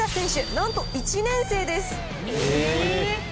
なんと１年生です。